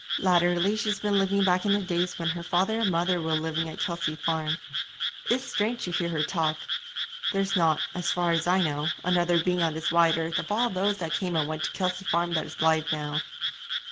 Latterly she's been living back in the days when her father and mother were living at Kelsey Farm. It's strange to hear her talk. There's not, as far as I know, another being on this wide earth of all those that came and went to Kelsey Farm that is alive now.'